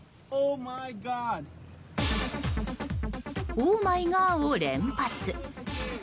「オーマイガー」を連発。